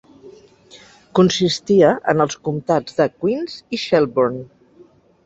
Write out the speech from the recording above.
Consistia en els comptats de Queens i Shelburne.